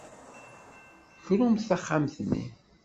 Krumt taxxamt-nni.